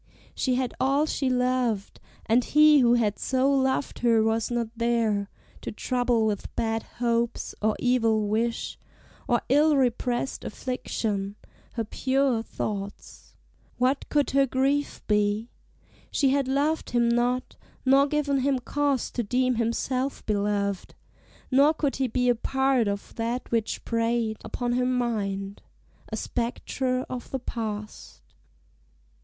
she had all she loved, And he who had so loved her was not there To trouble with bad hopes, or evil wish, Or ill repressed affliction, her pure thoughts. What could her grief be? she had loved him not, Nor given him cause to deem himself beloved, Nor could he be a part of that which preyed Upon her mind a spectre of the past.